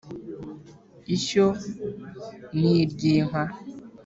ishyo ni iry’inka